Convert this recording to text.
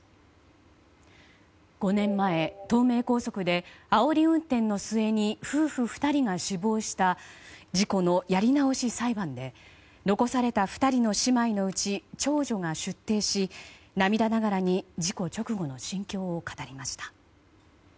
５年前、東名高速であおり運転の末に夫婦２人が死亡した事故のやり直し裁判で残された２人の姉妹のうち長女が出廷し涙ながらに事故直後の心境を語りました。